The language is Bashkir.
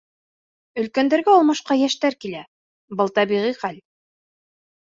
Өлкәндәргә алмашҡа йәштәр килә — был тәбиғи хәл.